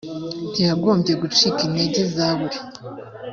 ntiyagombye gucika intege zaburi